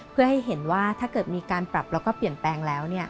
เพื่อให้เห็นว่าถ้าเกิดมีการปรับแล้วก็เปลี่ยนแปลงแล้ว